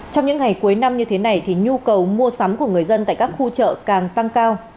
trong những ngày cuối năm như thế này thì nhu cầu mua sắm của người dân tại các khu chợ càng tăng cao